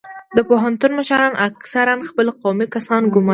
د پوهنتون مشران اکثرا خپل قومي کسان ګماري